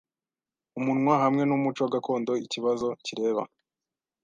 umunwa-hamwe numuco gakondo ikibazo kireba